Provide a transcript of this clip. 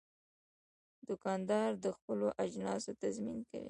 دوکاندار د خپلو اجناسو تضمین کوي.